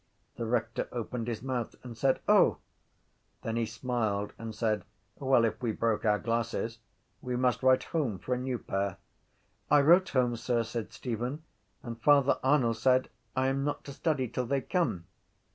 The rector opened his mouth and said: —O! Then he smiled and said: —Well, if we broke our glasses we must write home for a new pair. —I wrote home, sir, said Stephen, and Father Arnall said I am not to study till they come.